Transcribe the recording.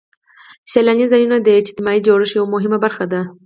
سیلاني ځایونه د اجتماعي جوړښت یوه مهمه برخه ده.